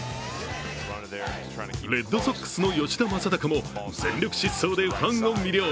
レッドソックスの吉田正尚も全力疾走でファンを魅了。